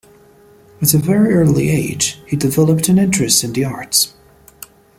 At a very early age, he developed an interest in the arts.